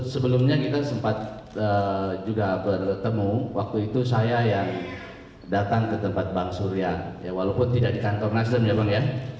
sebelumnya kita sempat juga bertemu waktu itu saya yang datang ke tempat bang surya walaupun tidak di kantor nasdem memang ya